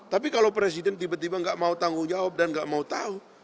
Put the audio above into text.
tapi kalau presiden tiba tiba nggak mau tanggung jawab dan nggak mau tahu